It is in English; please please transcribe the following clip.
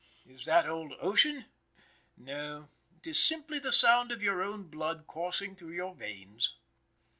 Is that old ocean? No, it is simply the sound of your own blood coursing through your veins.